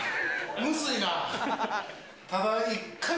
むずいな。